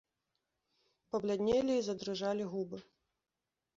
Пабляднелі і задрыжалі губы.